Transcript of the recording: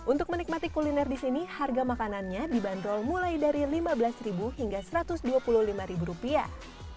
untuk menikmati kuliner di sini harga makanannya dibanderol mulai dari lima belas hingga satu ratus dua puluh lima rupiah